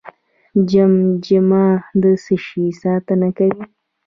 جمجمه د څه شي ساتنه کوي؟